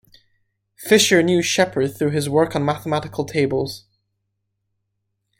Fisher knew Sheppard through his work on mathematical tables.